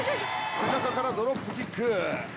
背中からドロップキック！